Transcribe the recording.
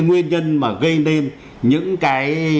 nhân dân mà gây nên những cái